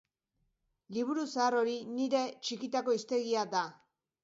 Liburu zahar hori nire txikitako hiztegia da.